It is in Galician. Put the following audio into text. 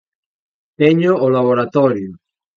Teño o laboratorio.